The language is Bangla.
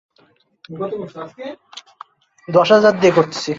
আবার অনেকক্ষণ দুজনে চুপ করে রইল।